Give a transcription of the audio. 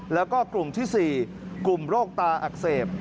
แล้วก็กลุ่มที่๔กลุ่มโรคตาอักเสบ